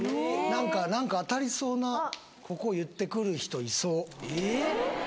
何か何か当たりそうなここ言ってくる人いそうえっ！？